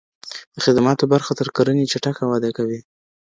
د خدماتو برخه تر کرنې چټکه وده کوي.